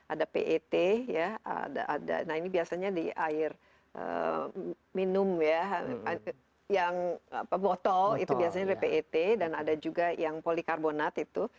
ada pet ya ada nah ini biasanya di air minum ya yang botol itu biasanya repet dan ada juga yang polikarbonat itu